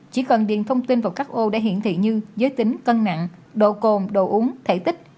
phần điện thông tin vào các ô đã hiển thị như giới tính cân nặng độ cồn độ uống thể tích